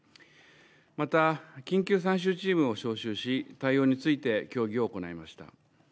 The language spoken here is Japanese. また、緊急参集チームを招集し対応について協議を行いました。